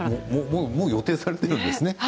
もう予定されているんですね。